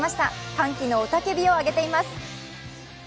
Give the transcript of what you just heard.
歓喜の雄たけびをあげています。